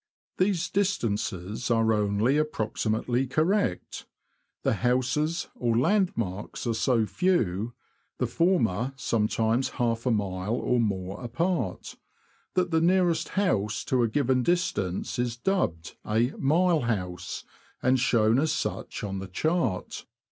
These distances are only approximately correct ; the houses UP THE BURE TO ACLE BRIDGE. 113 or landmarks are so few (the former sometimes half a mile or more apart), that the nearest house to a given distance is dubbed a " mile house," and shown as such on the chart.